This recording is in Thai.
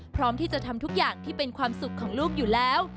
พร้อมที่จะทำทุกอย่างที่เป็นความสุขของลูกอยู่แล้ว